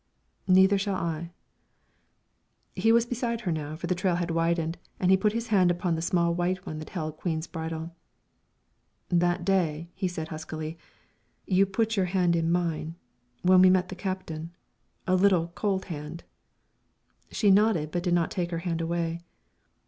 "Neither shall I." He was beside her now, for the trail had widened, and he put his hand upon the small white one that held Queen's bridle. "That day," he said huskily, "you put your hand in mine, when we met the Captain, a little, cold hand." She nodded, but did not take her hand away.